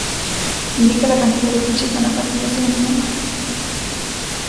Indica la cantidad de fichas naranjas que ya se eliminaron.